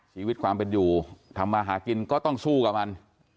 ชีวิตความเป็นอยู่ทำมาหากินก็ต้องสู้กับมัน